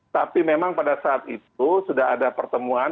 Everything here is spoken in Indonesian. tapi memang pada saat itu sudah ada pertemuan